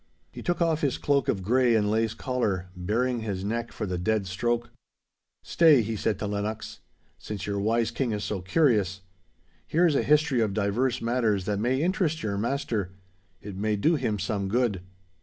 He took off his cloak of grey and lace collar, baring his neck for the dead stroke. 'Stay,' he said to Lennox. 'Since your wise King is so curious. Here is a history of divers matters that may interest your master. It may do him some good.